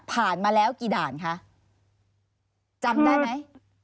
ผ่านมาแล้วกี่ด่านคะจำได้มั้ย